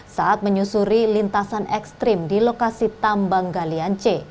saat menyusuri lintasan ekstrim di lokasi tambang galian c